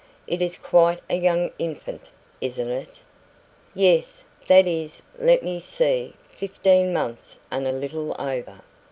"It is quite a young infant, isn't it?" "Yes; that is let me see fifteen months and a little over.